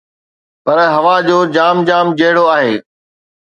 پر هوا جو جام جام جهڙو آهي